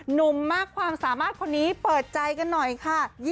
หนุ่มมากความสามารถคนนี้เปิดใจกันหน่อยค่ะ